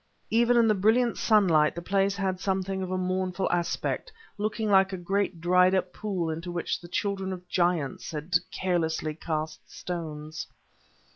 Even in the brilliant sunlight the place had something of a mournful aspect, looking like a great dried up pool into which the children of giants had carelessly cast stones.